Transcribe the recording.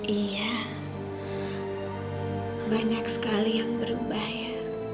iya banyak sekali yang berubah ya